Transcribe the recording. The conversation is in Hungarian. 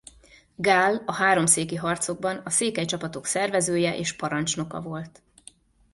Gál a háromszéki harcokban a székely csapatok szervezője és parancsnoka volt.